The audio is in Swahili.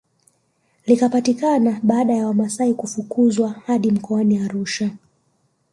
Likapatikana baada ya wamasai kufukuzwa hadi mkoani Arusha